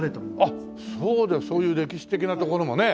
あっそうそういう歴史的なところもね。